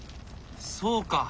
そうか。